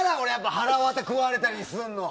はらわた食われたりするの。